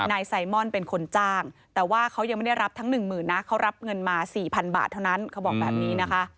นายไซมอนเป็นคนจ้างแต่ว่าเขายังไม่ได้รับทั้ง๑หมื่นนะเขารับเงินมา๔๐๐บาทเท่านั้นเขาบอกแบบนี้นะคะ